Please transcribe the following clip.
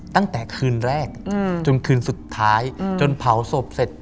ตั้งแต่คืนแรกจนคืนสุดท้ายจนเผาศพเสร็จ